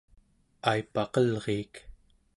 aipaqelriik